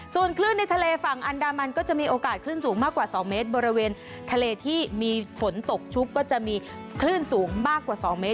ส่วนคลื่นในทะเลฝั่งอันดามันก็จะมีโอกาสคลื่นสูงมากกว่า๒เมตรบริเวณทะเลที่มีฝนตกชุกก็จะมีคลื่นสูงมากกว่า๒เมตร